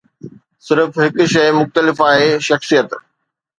صرف هڪ شيء مختلف آهي، شخصيت.